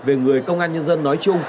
về người công an nhân dân nói chung